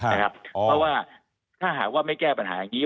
เพราะว่าถ้าหากว่าไม่แก้ปัญหาอย่างนี้